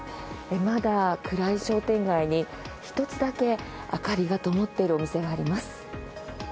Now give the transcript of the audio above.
まだ暗い商店街に１つだけ明かりがともっているお店があります。